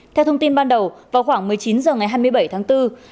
theo thông tin ban đầu vào khoảng một mươi chín h ngày hai mươi bảy tháng bốn